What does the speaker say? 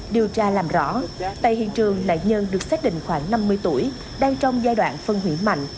điều tra làm rõ tại hiện trường nạn nhân được xác định khoảng năm mươi tuổi đang trong giai đoạn phân hủy mạnh